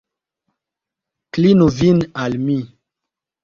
Klinu vin al mi!